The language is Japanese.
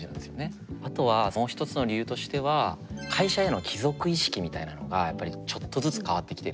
あとはもう一つの理由としては会社への帰属意識みたいなのがやっぱりちょっとずつ変わってきてる。